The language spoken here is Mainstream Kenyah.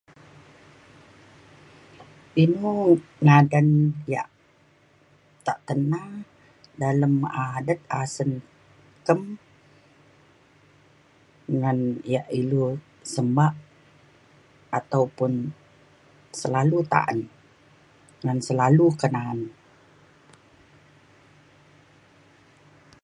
inu ngadan yak tak tena dalem adet asen kem ngan yak ilu semba ataupun selalu ta’an ngan selalu kenaan.